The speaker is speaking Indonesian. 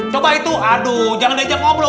coba itu aduh jangan diajak ngobrol